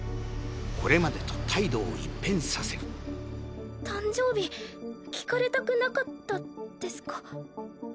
これまでと態度を一変させる誕生日聞かれたくなかったですか？